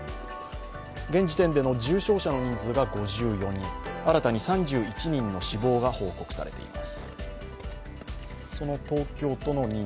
現時点での重症者の人数が５４人新たに３１人の死亡が報告されています。